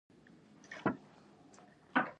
د غیرقانوني پیسو اخیستل بند دي؟